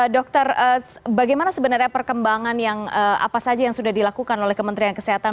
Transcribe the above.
dokter bagaimana sebenarnya perkembangan yang apa saja yang sudah dilakukan oleh kementerian kesehatan